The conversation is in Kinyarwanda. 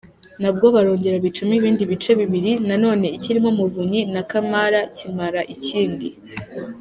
Nabwo barongera bicamo ibindi bice bibiri, na none ikirimo Muvunyi na Kamara kimara ikindi.